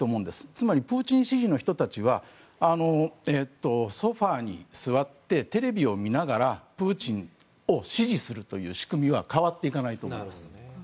つまりプーチン支持の人たちはソファに座ってテレビを見ながらプーチンを支持するという仕組みは変わっていかないと思います。